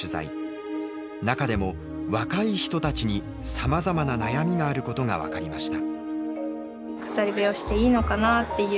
中でも若い人たちにさまざまな悩みがあることが分かりました。